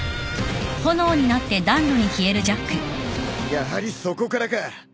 やはりそこからか。